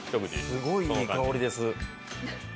すごい、いい香りです。